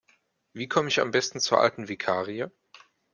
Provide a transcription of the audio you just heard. Wie komme ich am Besten zur alten Vikarie?